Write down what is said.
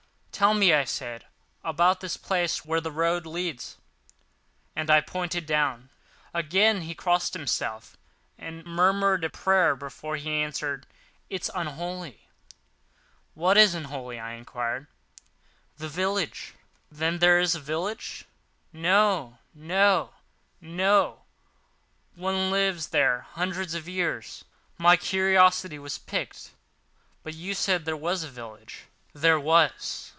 "Tell me," I said, "about this place where the road leads," and I pointed down. Again he crossed himself and mumbled a prayer, before he answered, "It is unholy." "What is unholy?" I enquired. "The village." "Then there is a village?" "No, no. No one lives there hundreds of years." My curiosity was piqued, "But you said there was a village." "There was."